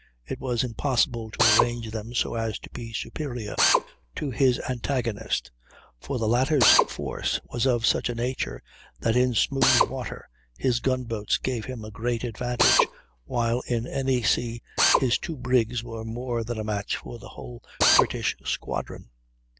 It was impossible to arrange them so as to be superior to his antagonist, for the latter's force was of such a nature that in smooth water his gun boats gave him a great advantage, while in any sea his two brigs were more than a match for the whole British squadron.